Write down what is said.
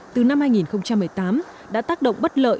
từ năm hai nghìn một mươi tám đã tác động bất lợi